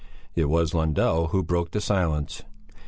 It was Lundell who broke the silence.